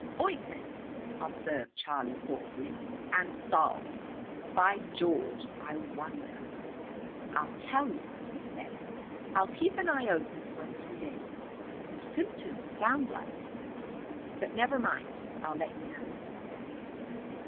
"Ointments!" observed Charlie thoughtfully. "And salves! By George, I wonder I'll tell you," he said: "I'll keep an eye open for a few days. The symptoms sound like But never mind. I'll let you know."